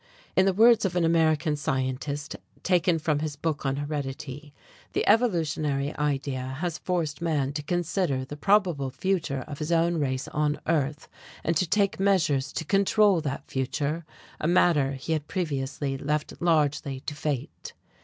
In the words of an American scientist, taken from his book on Heredity, "The evolutionary idea has forced man to consider the probable future of his own race on earth and to take measures to control that future, a matter he had previously left largely to fate."